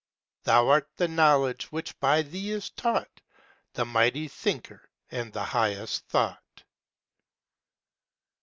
Thou art the knowledge which by Thee is taught, The mighty thinker, and the highest thought!"